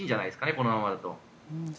このままだと。